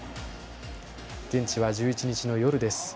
現地は１１日の夜です。